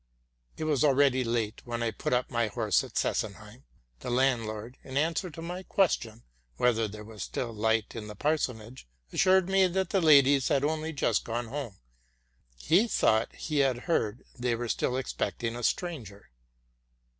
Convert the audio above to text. It was already late when I put up my horse at Sesenheim. The landlord, in answer to my question, whether there was still light in the parsonage, assured me that the ladies had only just gone home: he thought he had heard they were still expecting a stranger.